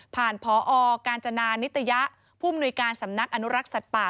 ผ่านพอกาญจนานิตยะผู้มนุยการสำนักอนุรักษ์สัตว์ป่า